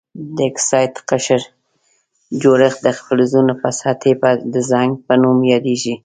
د اکسایدي قشر جوړښت د فلزونو پر سطحې د زنګ په نوم یادیږي.